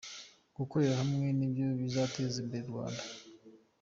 Gukorera hamwe ni byo bizateza imbere u Rwanda.